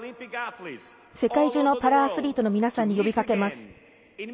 世界中のパラアスリートの皆さんに呼びかけます。